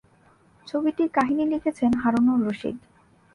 ছবিটির কাহিনী লিখেছেন হারুন রশীদ।